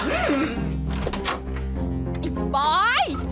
ไอ้บอย